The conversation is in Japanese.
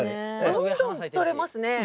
どんどんとれますね。